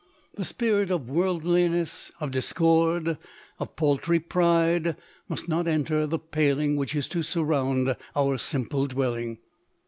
The spirit of world li ness, of discord, of paltry pride, must not enter the paling which is to surround our simple dwelling.